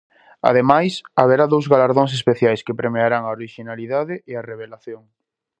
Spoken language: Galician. Ademais, haberá dous galardóns especiais que premiarán a orixinalidade e a revelación.